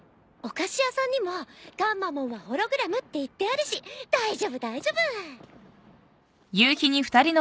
お菓子屋さんにもガンマモンはホログラムって言ってあるし大丈夫大丈夫！